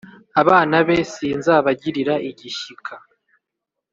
Abana be sinzabagirira igishyika,